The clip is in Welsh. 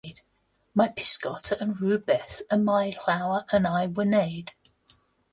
Mae pysgota yn rhywbeth y mae llawer yn ei wneud.